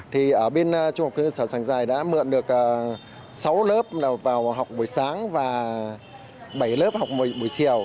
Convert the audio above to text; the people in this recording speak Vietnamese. thì ở bên trung học cơ sở trang dài đã mượn được sáu lớp vào học buổi sáng và bảy lớp học buổi chiều